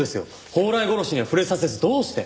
宝来殺しには触れさせずどうして？